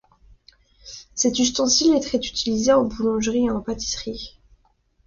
Cet ustensile est très utilisé en boulangerie et en pâtisserie.